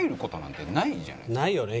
ないよね